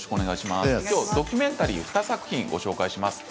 今日はドキュメンタリー２作品ご紹介します。